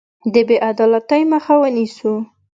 د بې عدالتۍ مخه ونیسو.